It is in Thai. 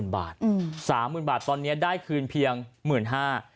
๓๐๐๐๐บาท๓๐๐๐๐บาทตอนนี้ได้คืนเพียง๑๕๐๐๐บาท